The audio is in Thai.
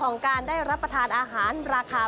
เป็นอย่างไรนั้นติดตามจากรายงานของคุณอัญชาฬีฟรีมั่วครับ